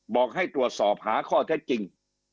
บอกให้ตรวจสอบหาข้อเท็จจริง